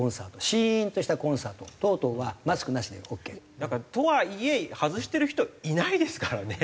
シーンとしたコンサート等々はマスクなしでオーケー。とはいえ外してる人いないですからね。